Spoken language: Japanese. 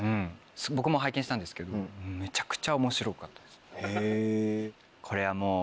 僕も拝見したんですけどめちゃくちゃ面白かったです。